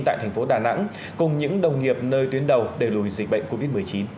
tại thành phố đà nẵng cùng những đồng nghiệp nơi tuyến đầu đẩy lùi dịch bệnh covid một mươi chín